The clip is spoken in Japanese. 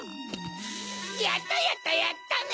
やったやったやったね！